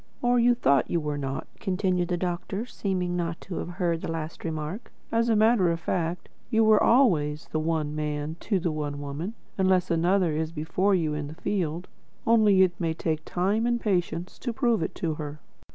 '" "Or you thought you were not," continued the doctor, seeming not to have heard the last remark. "As a matter of fact, you are always the One Man to the One Woman, unless another is before you in the field. Only it may take time and patience to prove it to her."